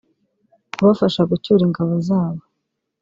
kubafasha gucyura ingabo zabo